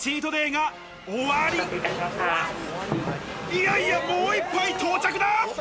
いやいや、もう１杯、到着だ。